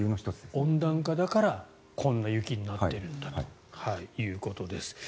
温暖化だからこんな雪になっているんだということです。